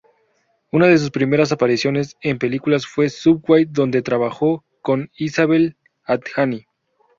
Una de sus primeras apariciones en películas fue Subway donde trabajó con Isabelle Adjani